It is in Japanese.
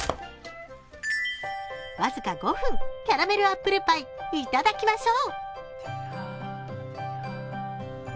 わずか５分、キャラメルアップルパイ頂きましょう。